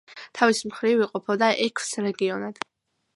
თავის მხრივ იყოფოდა ექვს რეგიონად.